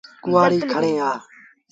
ڪهآڙيٚ کڻي آ۔